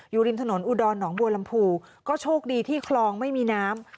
อยู่ริมถนนอุดรหนองบัวลำพูก็โชคดีที่คลองไม่มีน้ำ